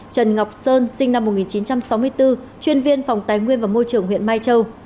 trần ngọc sơn sinh năm một nghìn chín trăm sáu mươi bốn chuyên viên phòng tài nguyên và môi trường huyện mai châu